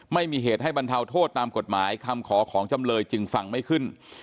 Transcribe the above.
ไม่มีเหตุให้บรรเทาโทษตามกฎหมายคำขอของจำเลยจึงฟังไม่ขึ้น